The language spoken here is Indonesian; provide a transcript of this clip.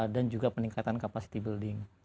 dan juga peningkatan capacity building